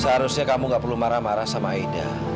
seharusnya kamu gak perlu marah marah sama aida